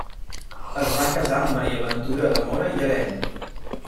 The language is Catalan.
Es va casar amb Maria Ventura de Mora i Areny.